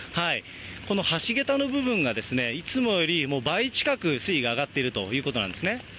この橋げたの部分が、いつもよりもう倍近く水位が上がっているということなんですね。